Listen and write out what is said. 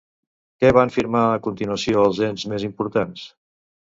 Què van firmar, a continuació, els ens més importants?